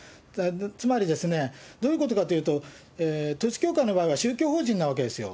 つまり、どういうことかと言うと、統一教会の場合は宗教法人なわけですよ。